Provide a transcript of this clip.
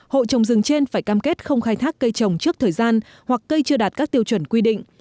hộ trồng rừng trên phải cam kết không khai thác cây trồng trước thời gian hoặc cây chưa đạt các tiêu chuẩn quy định